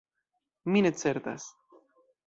Mi ne certas.